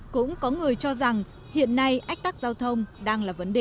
cũng có người cho rằng hiện nay ách tắc giao thông đang là vấn đề